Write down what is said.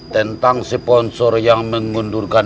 tentang sponsor yang mengundurkan